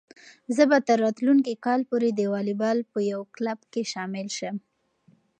زه به تر راتلونکي کال پورې د واليبال په یو کلب کې شامل شم.